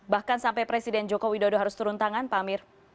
bahkan sampai presiden joko widodo harus turun tangan pak amir